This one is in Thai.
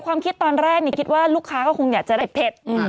ความคิดตอนแรกนี่คิดว่าลูกค้าก็คงอยากจะได้เผ็ด